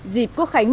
dịp quốc khánh một